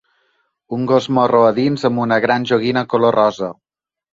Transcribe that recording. Un gos marró a dins amb una gran joguina de color rosa